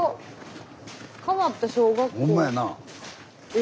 え？